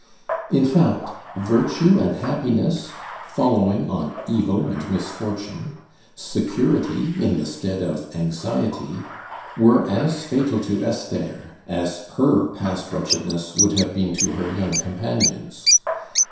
In fact, virtue and happiness following on evil and misfortune, security in the stead of anxiety, were as fatal to Esther as her past wretchedness would have been to her young companions.